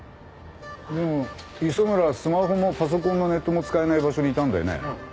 でも磯村スマホもパソコンもネットも使えない場所にいたんだよね？